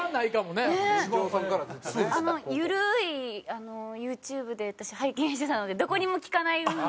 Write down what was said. あのゆるいＹｏｕＴｕｂｅで私拝見してたのでどこにも効かない運動。